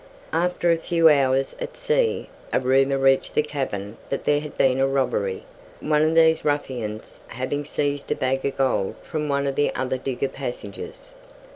After a few hours at sea, a rumour reached the cabin that there had been a robbery, one of these ruffians having seized a bag of gold from one of the other digger passengers.